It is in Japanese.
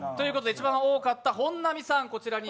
一番多かった本並さん、こちらに。